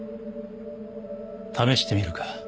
試してみるか？